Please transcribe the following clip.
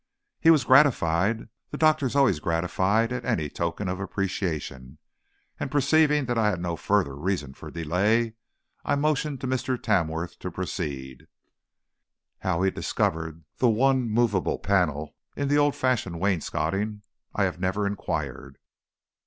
He was gratified the doctor always is gratified at any token of appreciation and perceiving that I had no further reason for delay, I motioned to Mr. Tamworth to proceed. How he discovered the one movable panel in that old fashioned wainscoting, I have never inquired.